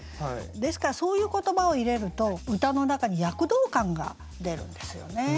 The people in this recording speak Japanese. ですからそういう言葉を入れると歌の中に躍動感が出るんですよね。